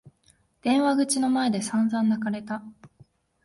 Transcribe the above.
電話口の前で散々泣かれた。